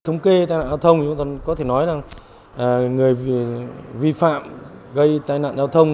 thống kê tai nạn giao thông thì chúng tôi có thể nói rằng người vi phạm gây tai nạn giao thông